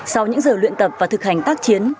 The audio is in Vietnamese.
sau những giờ luyện tập và thực hành tác chiến